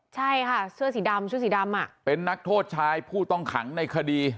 ใช่ค่ะเสื้อสีดำชุดสีดำอ่ะเป็นนักโทษชายผู้ต้องขังในคดี